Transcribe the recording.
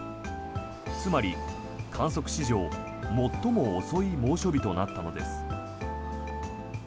つまり、観測史上最も遅い猛暑日となったのです。